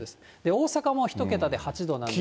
大阪も１桁で８度なんです。